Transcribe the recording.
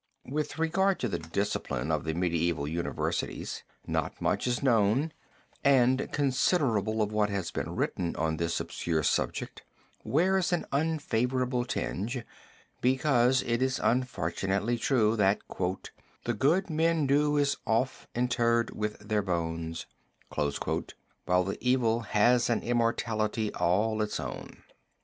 With regard to the discipline of the medieval universities not much is known and considerable of what has been written on this obscure subject wears an unfavorable tinge, because it is unfortunately true that "the good men do is oft interred with their bones" while the evil has an immortality all its own.